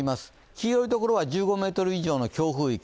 黄色いところは１５ｍ以上の強風域。